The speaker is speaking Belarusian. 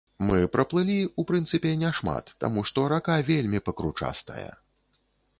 Мы праплылі, у прынцыпе, не шмат, таму, што рака вельмі пакручастая.